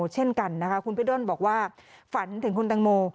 เช่นกันคุณพิฤตด้นบอกว่าฝันถึงคุณแตงโม